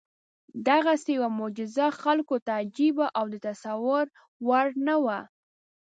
دغسې یوه معجزه خلکو ته عجیبه او د تصور وړ نه وه.